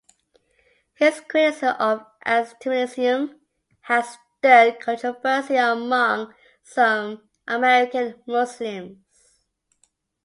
His criticism of extremism has stirred controversy among some American Muslims.